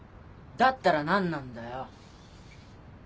だったら何なんだよ？